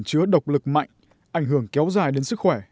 chứa độc lực mạnh ảnh hưởng kéo dài đến bệnh nhân